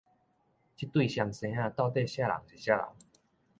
這對雙生仔到底啥人是啥人